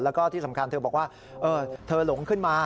แล้วก็ที่สำคัญเธอบอกว่าเธอหลงขึ้นมา